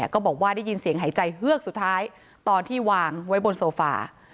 ก็บอกว่าได้ยินเสียงหายใจเฮือกสุดท้ายตอนที่วางไว้บนโซฟา